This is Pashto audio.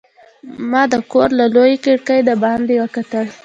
ما د کور له لویې کړکۍ د باندې وکتل.